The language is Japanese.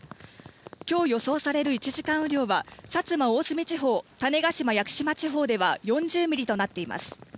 きょう予想される１時間雨量は薩摩、大隅地方、種子島・屋久島地方では４０ミリとなっています。